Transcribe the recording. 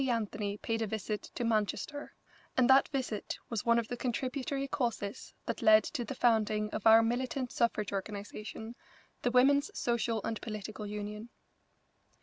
Anthony paid a visit to Manchester, and that visit was one of the contributory causes that led to the founding of our militant suffrage organisation, the Women's Social and Political Union.